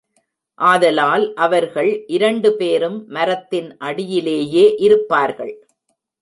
ஆதலால், அவர்கள் இரண்டு பேரும் மரத்தின் அடியிலேயே இருப்பார்கள்.